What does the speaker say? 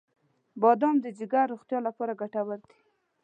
• بادام د جګر روغتیا لپاره ګټور دی.